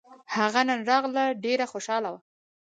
هغه نن راغله ډېره خوشحاله وه